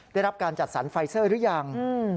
ได้รับการจัดสรรไฟเซอร์หรือยัง